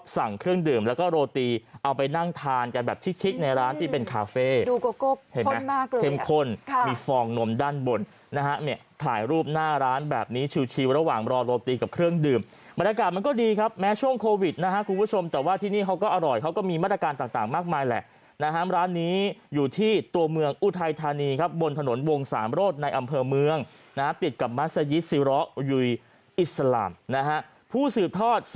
สั่งเครื่องดื่มแล้วก็โรตีเอาไปนั่งทานกันแบบชิคในร้านที่เป็นคาเฟ่ดูโก๊บข้นมากเลยเห็นไหมเข้มข้นมีฟองนมด้านบนนะฮะเนี่ยถ่ายรูปหน้าร้านแบบนี้ชิวระหว่างรอโรตีกับเครื่องดื่มบรรยากาศมันก็ดีครับแม้ช่วงโควิดนะฮะคุณผู้ชมแต่ว่าที่นี่เขาก็อร่อยเขาก็มีมาตรการต่างมากมายแห